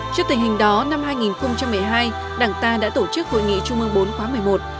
trước tình hình đó năm hai nghìn một mươi hai đảng ta đã tổ chức hội nghị trung ương bốn khóa một mươi một